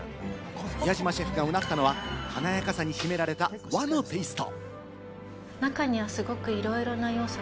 宮島シェフがうなったのは華やかさに秘められた和のテイスト。